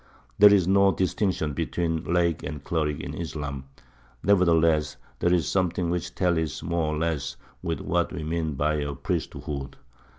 There is no distinction between laic and cleric in Islam. Nevertheless, there is something which tallies more or less with what we mean by a priesthood.